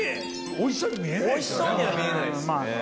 おいしそうには見えないですね。